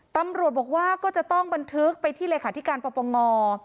ตำรวจบอกว่าก็จะต้องบันทึกไปที่เลขาธิการปปง